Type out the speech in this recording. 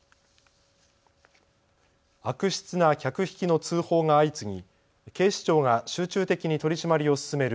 悪質な客引きの通報が相次ぎ警視庁が集中的に取締りを進める